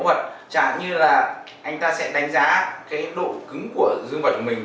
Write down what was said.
chẳng hạn như là anh ta sẽ đánh giá độ cứng của dương vật của mình